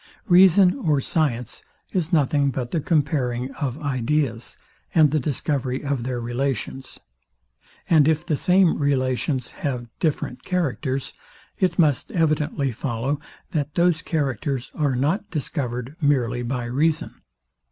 Reason or science is nothing but the comparing of ideas, and the discovery of their relations; and if the same relations have different characters, it must evidently follow, that those characters are not discovered merely by reason.